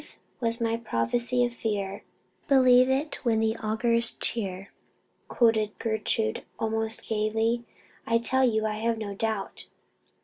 "Sooth was my prophecy of fear Believe it when it augurs cheer," quoted Gertrude, almost gaily. "I tell you I have no doubt."